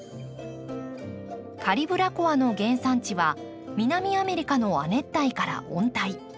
カリブラコアの原産地は南アメリカの亜熱帯から温帯。